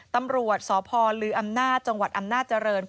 ตำรวจสพลืออำนาจจังหวัดอำนาจริง